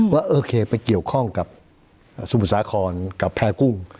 ว่าโอเคไปเกี่ยวข้องกับสมุทรสาครกับแพร่กุ้ง